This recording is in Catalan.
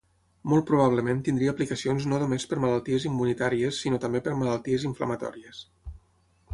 Molt probablement tindria aplicacions no només per malalties immunitàries sinó també per malalties inflamatòries.